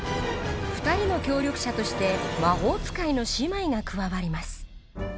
２人の協力者として魔法使いの姉妹が加わります